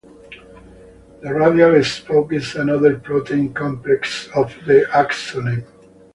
The radial spoke is another protein complex of the axoneme.